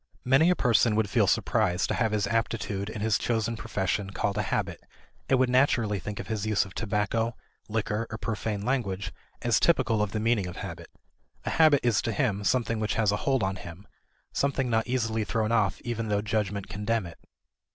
Many a person would feel surprised to have his aptitude in his chosen profession called a habit, and would naturally think of his use of tobacco, liquor, or profane language as typical of the meaning of habit. A habit is to him something which has a hold on him, something not easily thrown off even though judgment condemn it.